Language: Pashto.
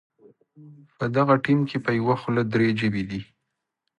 په دغه ټیم کې په یوه خوله درې ژبې دي.